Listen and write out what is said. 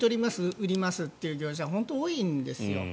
売りますという業者は本当に多いんですよ。